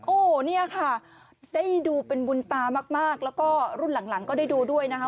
โอ้โหเนี่ยค่ะได้ดูเป็นบุญตามากแล้วก็รุ่นหลังก็ได้ดูด้วยนะคะ